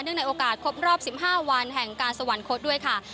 ในโอกาสครบรอบ๑๕วันแห่งการสวรรคตด้วยค่ะ